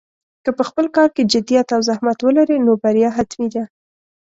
که په خپل کار کې جدیت او زحمت ولرې، نو بریا حتمي ده.